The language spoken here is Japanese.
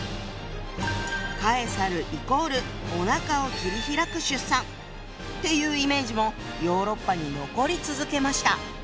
カエサルイコールおなかを切り開く出産っていうイメージもヨーロッパに残り続けました。